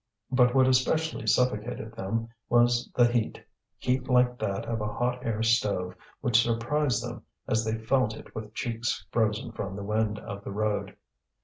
But what especially suffocated them was the heat, heat like that of a hot air stove, which surprised them as they felt it with cheeks frozen from the wind of the road.